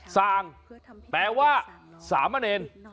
ซางแปลว่าสามะเนร